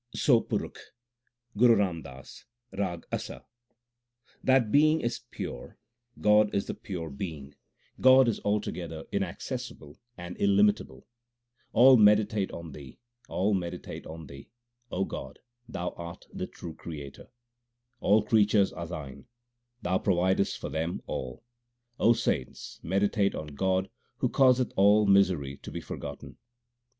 SO PURUKH 1 GURU RAM DAS, RAG ASA That Being is pure, God is the pure Being, God is alto gether inaccessible and illimitable. All meditate on Thee ; all meditate on Thee ; O God, Thou art the true Creator. All creatures are Thine ; Thou providest for them all. saints, meditate on God who causeth all misery to be forgotten.